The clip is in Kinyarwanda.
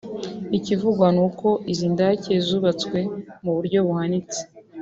Ikivugwa ni uko izi ndake zubatswe muburyo buhanitse